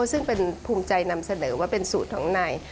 ซึ่งเป็นภูมิใจนำเสนอว่าเป็นสูตรของนาย